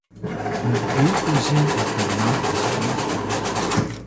nki kuzing mtna isu